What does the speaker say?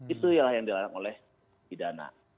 itulah yang dilakukan pidana